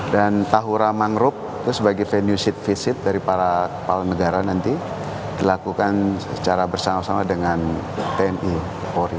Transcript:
dan tahura mangruk itu sebagai venue sit visit dari para kepala negara nanti dilakukan secara bersama sama dengan tni polri